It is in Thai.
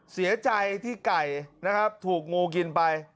เสียใจที่ไก่นะครับถูกงูกินไป